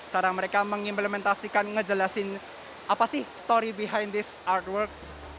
cara mereka mengimplementasikan ngejelasin apa sih story behind this artwork